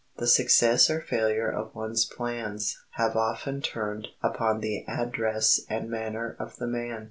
The success or failure of one's plans have often turned upon the address and manner of the man.